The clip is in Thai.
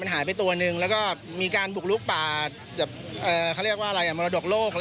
หายไปตัวหนึ่งแล้วก็มีการบุกลุกป่าแบบเขาเรียกว่าอะไรมรดกโลก